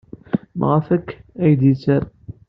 Maɣef akk ay d-yetter?